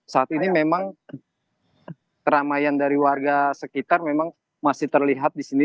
saat ini memang keramaian dari warga sekitar memang masih terlihat di sini